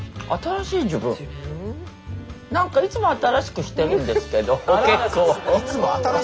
何かいつも新しくしてるんですけど結構。